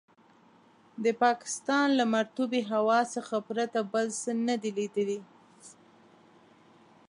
د پاکستان له مرطوبې هوا څخه پرته بل څه نه دي لیدلي.